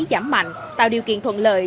giảm mạnh tạo điều kiện thuận lợi